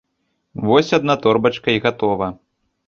Вось адна торбачка і гатова!